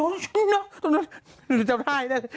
ลืมเจ้าได้